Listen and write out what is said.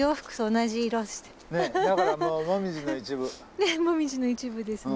ねっ紅葉の一部ですね。